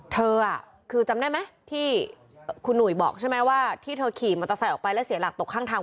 เธอคือจำได้ไหมที่คุณหนุ่ยบอกใช่ไหมว่าที่เธอขี่มอเตอร์ไซค์ออกไปแล้วเสียหลักตกข้างทาง